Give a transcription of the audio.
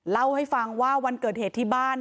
เล่าให้ฟังว่าวันเกิดเหตุที่บ้าน